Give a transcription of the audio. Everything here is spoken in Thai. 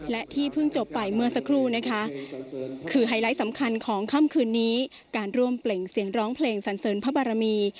และที่เพิ่งจบไปเมื่อสักครู่นะคะคือไฮไลท์สำคัญของค่ำคืนนี้การร่วมเปล่งเสียงร้องเพลงสันเสริญพระบารมี